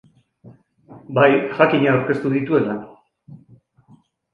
Bai, jakina aurkeztu dituela.